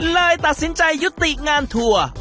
เลยตัดสินใจยุติงานทัวร์